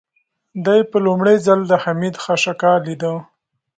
دې په لومړي ځل د حميد خشکه لېده.